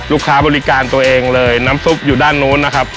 บริการตัวเองเลยน้ำซุปอยู่ด้านนู้นนะครับ